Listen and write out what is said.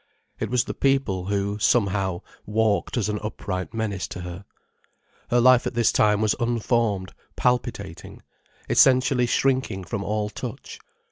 It was the people who, somehow, walked as an upright menace to her. Her life at this time was unformed, palpitating, essentially shrinking from all touch.